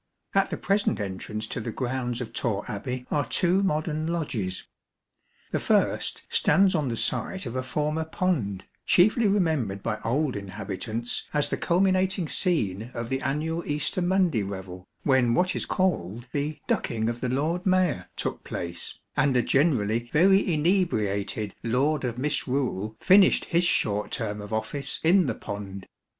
At the present entrance to the grounds of Torre Abbey are two modern lodges. The first stands on the site of a former pond, chiefly remembered by old inhabitants as the culminating scene of the annual Easter Monday revel, when what is called the " ducking of the Lord Mayor " took place, and a generally very inebriated " Lord of Misrule " finished his short term of office in the pond.